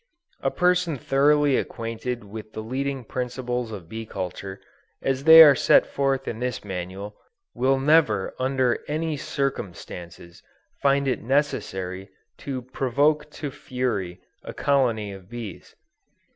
A person thoroughly acquainted with the leading principles of bee culture as they are set forth in this Manual, will never under any circumstances find it necessary to provoke to fury a colony of bees.